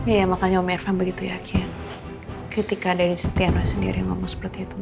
iya makanya om birvan begitu yakin ketika deni stiano sendiri ngomong seperti itu